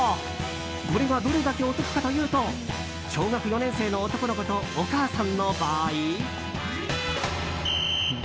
これが、どれだけお得かというと小学４年生の男の子とお母さんの場合。